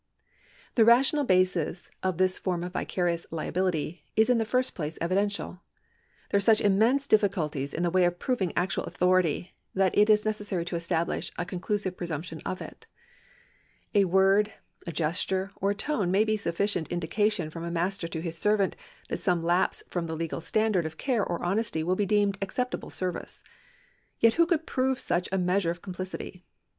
The rational basis of this form of vicarious liability is in the first place evidential. There are such immense diffi culties in the way of proving actual authority, that it is necessary to establish a conclusive presumption of it. A word, a gesture, or a tone may be a sufficient indication from a master to his servant that some lapse from the legal standard of care or honesty will be deemed acceptable service. Yet who could prove such a measure of complicity